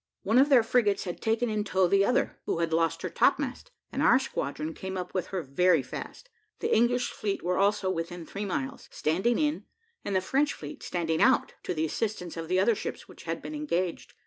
One of their frigates had taken in tow the other, who had lost her topmast, and our squadron came up with her very fast. The English fleet were also within three miles, standing in, and the French fleet standing out, to the assistance of the other ships which had been engaged.